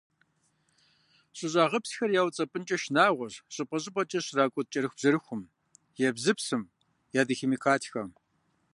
ЩӀыщӀагъыпсхэр яуцӀэпӀынкӀэ шынагъуэщ щӀыпӀэ-щӀыпӀэкӀэ щракӀут кӀэрыхубжьэрыхум, ебзыпсым, ядохимикатхэм.